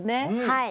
はい。